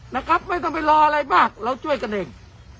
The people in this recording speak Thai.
นะครับไม่ต้องไปรออะไรมากเราช่วยกันเอง